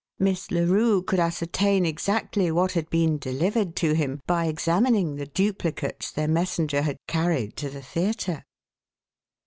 Miss Larue could ascertain exactly what had been delivered to him by examining the duplicates their messenger had carried to the theatre.